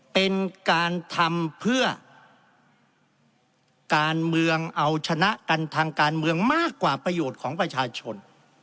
เป็นการทำเพื่อการเมืองเอาชนะกันทางการเมืองมากกว่าประโยชน์ของประชาชน